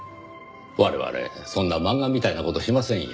我々そんな漫画みたいな事しませんよ。